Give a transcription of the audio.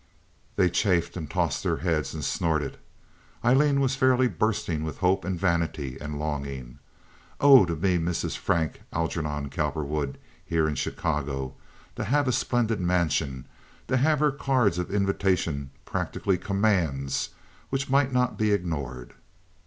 They chafed and tossed their heads and snorted. Aileen was fairly bursting with hope and vanity and longing. Oh, to be Mrs. Frank Algernon Cowperwood here in Chicago, to have a splendid mansion, to have her cards of invitation practically commands which might not be ignored!